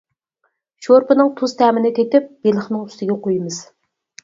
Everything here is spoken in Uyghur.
شورپىنىڭ تۇز تەمىنى تېتىپ بېلىقنىڭ ئۈستىگە قۇيىمىز.